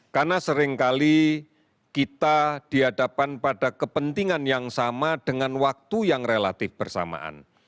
karena seringkali kita dihadapan pada kepentingan yang sama dengan waktu yang relatif bersamaan